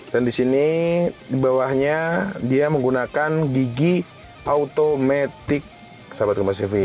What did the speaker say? dan di sini di bawahnya dia menggunakan gigi automatic sahabat kemasivi